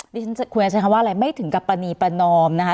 คุณอยากใช้คำว่าอะไรไม่ถึงกับปรณีประนอมนะคะ